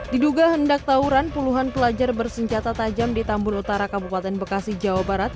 diduga hendak tawuran puluhan pelajar bersenjata tajam di tambun utara kabupaten bekasi jawa barat